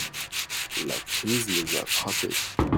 La crise les a frappé.